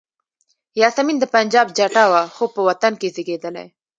یاسمین د پنجاب جټه وه خو په وطن کې زیږېدلې.